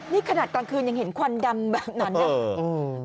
นี่ขนาดกลางคืนยังเห็นควันดำแบบนั้นนะ